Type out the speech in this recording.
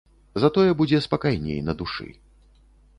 Затое будзе спакайней на душы.